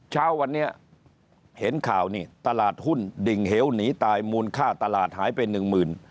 เช้าวันนี้เห็นข่าวนี่ตลาดหุ้นดิ่งเหวหนีตายมูลค่าตลาดหายไปหนึ่งหมื่น